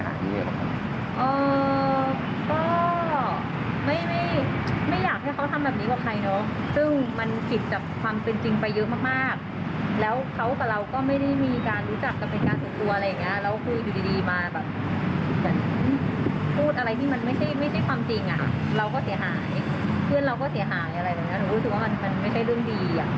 หนูรู้สึกว่ามันไม่ใช่เรื่องดี